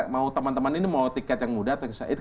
mau teman teman ini mau tiket yang muda atau said